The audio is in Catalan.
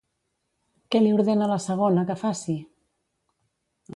Què li ordena la segona que faci?